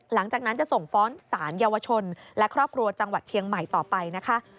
หลังจากนั้นจะส่งฟ้องสารเยาวชนและครอบครัวจังหวัดเชียงใหม่ต่อไปนะคะ